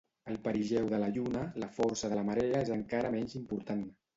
Al perigeu de la Lluna, la força de marea és encara menys important.